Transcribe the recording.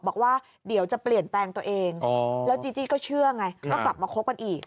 บอกว่าเดี๋ยวจะเปลี่ยนแปลงตัวเองแล้วจีจี้ก็เชื่อไงว่ากลับมาคบกันอีก